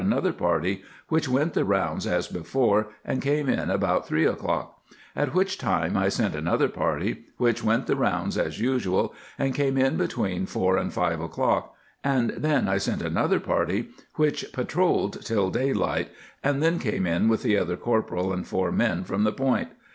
146 ] Camp Duties other party, which went the rounds as before and came in about three o'clk ; at which time I sent another party, which went the rounds as usual and came in between 4 & 5 o'clk, and then 1 sent another party, which patrolled till daylight and then came in with the other corporal and four men from the Point.